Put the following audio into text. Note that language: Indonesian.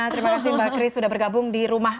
terima kasih mbak kris sudah bergabung di rumah